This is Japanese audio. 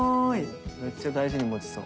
めっちゃ大事に持ちそう。